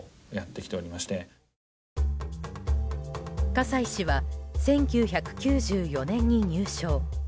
葛西氏は１９９４年に入省。